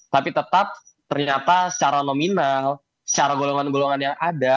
tapi tetap ternyata secara nominal secara golongan golongan yang ada